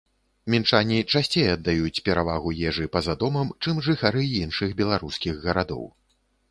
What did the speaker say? Мінчане часцей аддаюць перавагу ежы па-за домам, чым жыхары іншых беларускіх гарадоў.